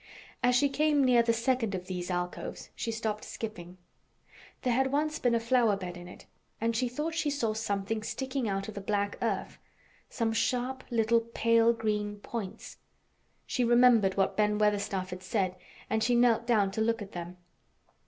As she came near the second of these alcoves she stopped skipping. There had once been a flowerbed in it, and she thought she saw something sticking out of the black earth—some sharp little pale green points. She remembered what Ben Weatherstaff had said and she knelt down to look at them.